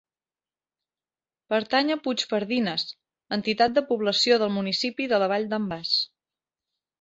Pertany a Puigpardines, entitat de població del municipi de la Vall d'en Bas.